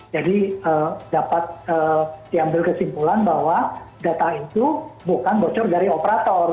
jadi dapat diambil kesimpulan bahwa data itu bukan bocor dari operator